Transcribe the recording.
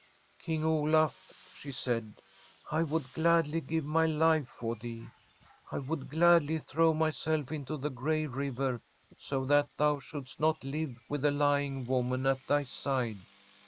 ' King Olaf,' she said, ' I would gladly give my life for thee; I would gladly throw myself into the gray river so that thou shouldst not live with a lying woman at thy side.